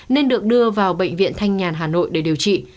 nên được đưa vào bệnh viện thanh nhàn hà nội